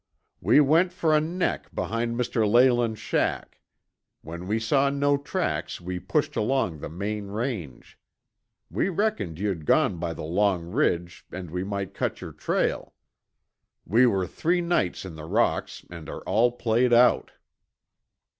"We went for a neck behind Mr. Leyland's shack. When we saw no tracks we pushed along the main range. We reckoned you'd gone by the long ridge and we might cut your trail. We were three nights in the rocks and are all played out."